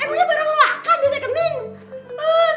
eh punya barang makan di second in